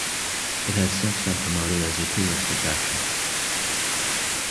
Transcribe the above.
It has since been promoted as a tourist attraction.